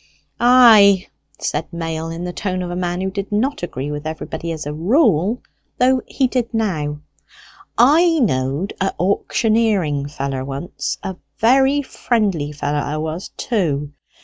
"Ay," said Mail, in the tone of a man who did not agree with everybody as a rule, though he did now; "I knowed a' auctioneering feller once a very friendly feller 'a was too.